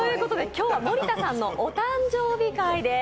今日は森田さんのお誕生日会です。